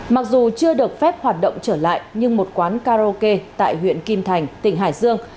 mặc dù chưa được phép hoạt động trở lại nhưng một quán karaoke tại huyện kim thành tỉnh hải dương